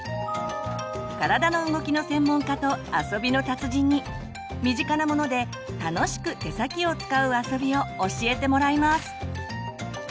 体の動きの専門家と遊びの達人に身近なもので楽しく手先を使う遊びを教えてもらいます！